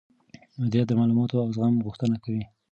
مديريت د معلوماتو او زغم غوښتنه کوي.